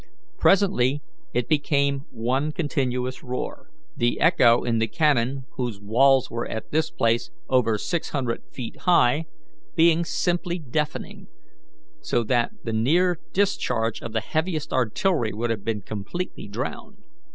Presently it became one continuous roar, the echo in the canon, whose walls were at this place over six hundred feet high, being simply deafening, so that the near discharge of the heaviest artillery would have been completely drowned.